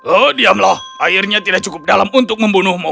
oh diamlah airnya tidak cukup dalam untuk membunuhmu